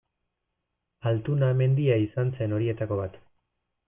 Altuna mendia izan zen horietako bat.